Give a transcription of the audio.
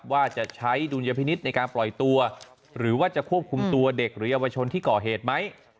ว่าจะใช้ดุลยพินิษฐ์ในการปล่อยตัวหรือว่าจะควบคุมตัวเด็กหรือเยาวชนที่ก่อเหตุไหม